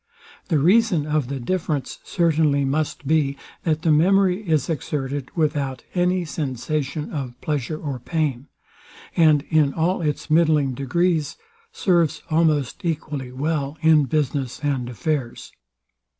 The reason of the difference certainly must be, that the memory is exerted without any sensation of pleasure or pain; and in all its middling degrees serves almost equally well in business and affairs.